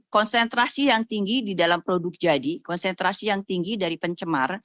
konsentrasi yang tinggi di dalam produk jadi konsentrasi yang tinggi dari pencemar